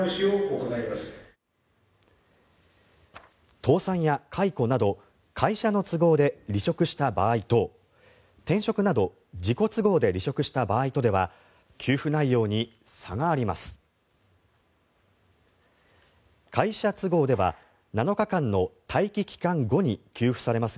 倒産や解雇など会社の都合で離職した場合と転職など自己都合で離職した場合とでは給付内容に差があります。